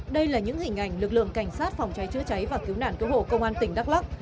đây là những hình ảnh lực lượng cảnh sát phòng cháy chữa cháy và cứu nạn cứu hộ công an tỉnh đắk lắc